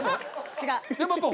違う。